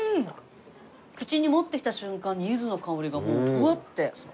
口に持ってきた瞬間にゆずの香りがもうブワッて。